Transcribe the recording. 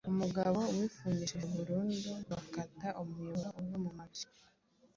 Umugabo wifungishije burundu bakata umuyoboro uva mu mabya